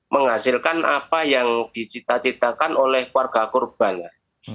menghasilkan apa yang dicita citakan oleh keluarga korban